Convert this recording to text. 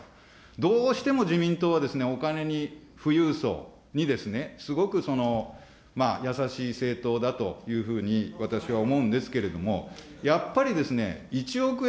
どうしても自民党は、お金に富裕層にですね、すごく優しい政党だというふうに私は思うんですけれども、やっぱりですね、１億円